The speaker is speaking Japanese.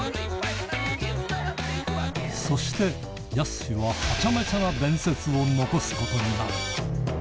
そして、やすしははちゃめちゃな伝説を残すことになる。